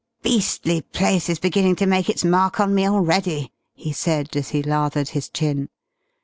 "Beastly place is beginning to make its mark on me already!" he said, as he lathered his chin.